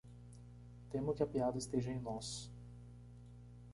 Temo que a piada esteja em nós.